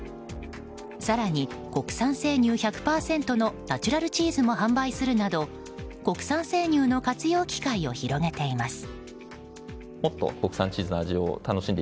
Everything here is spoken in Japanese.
更に、国産生乳１００％のナチュラルチーズも販売するなど国産生乳の活用機会を広げています。